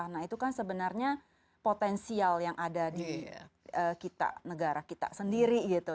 nah itu kan sebenarnya potensial yang ada di kita negara kita sendiri gitu